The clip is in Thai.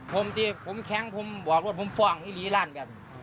ผมแข็งผมบอกผมฟองหลีร้านแบบ